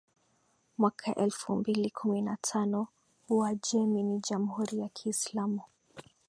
mwaka elfu mbili kumi na tano Uajemi ni Jamhuri ya Kiislamu